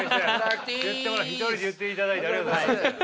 １人で言っていただいてありがとうございます。